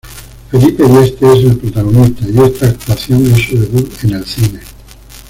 Felipe Dieste es el protagonista y esta actuación es su debut en el cine.